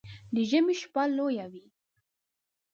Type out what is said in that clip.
د ژمي شپه لويه وي